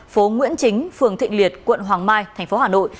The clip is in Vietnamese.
phố nguyễn chính phường thịnh liệt quận hoàng mai thành phố hà nội